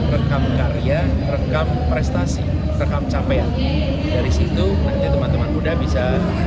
rekam karya rekam prestasi rekam capaian dari situ nanti teman teman muda bisa